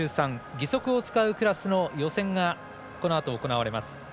義足を使うクラスの予選がこのあと行われます。